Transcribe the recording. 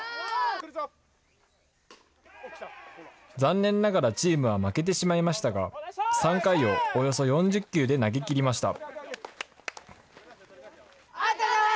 残念ながらチームは負けてしまいましたが、３回をおよそ４０球で投げきりました。